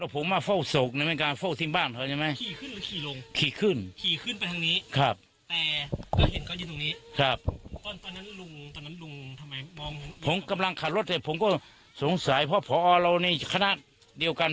ผมกำลังขับรถเสร็จผมก็สงสัยเพราะพอเราในคณะเดียวกัน